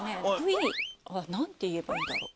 あっ何て言えばいいんだろう？